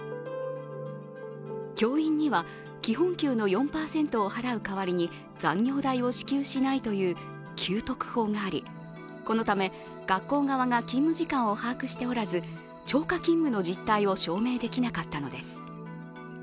教員には基本給の４％を払う代わりに残業代を支給しないという給特法がありこのため学校側が勤務時間を把握しておらず超過勤務の実態を証明できなかったのです。